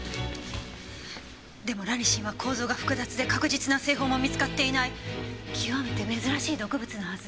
でもラニシンは構造が複雑で確実な製法も見つかっていない極めて珍しい毒物のはず。